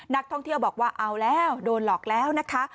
นักท่องเที่ยวบอกว่าเอาแล้วโดนหลอกแล้วนะคะ